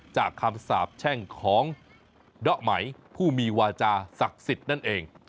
จากคำสาบแช่งของเดาะไหมผู้มีวาจาศักดิ์สิทธิ์นั่นเอง